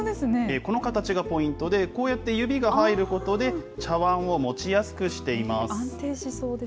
この形がポイントで、こうやって指が入ることで、茶わんを持ちやすくしています。